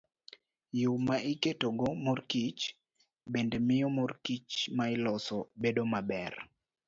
Yo ma iketogo mor kich bende miyo mor kich ma iloso bedo maber.